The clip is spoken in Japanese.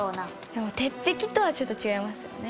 でも鉄壁とはちょっと違いますよね。